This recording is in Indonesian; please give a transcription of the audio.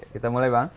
kita mulai bang